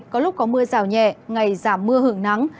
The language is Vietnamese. có lúc có mưa rào nhẹ ngày giảm mưa hưởng nắng